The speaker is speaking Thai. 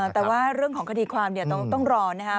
แต่ว่าเรื่องของคดีความเดี๋ยวต้องรอนะครับ